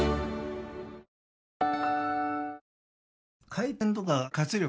回転とか活力